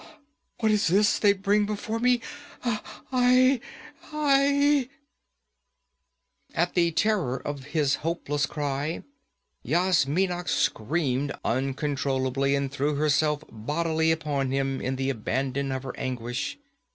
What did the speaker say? What is this they bring before me? Aie!' At the terror in his hopeless cry Yasmina screamed uncontrollably and threw herself bodily upon him in the abandon of her anguish.